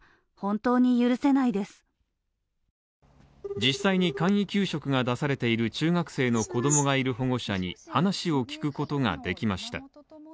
実際に簡易給食が出されている中学生の子どもがいる保護者に話を聞くことができました